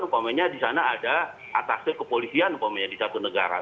umpamanya di sana ada atasnya kepolisian umpamanya di satu negara